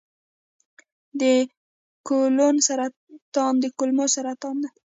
د کولون سرطان د کولمو سرطان دی.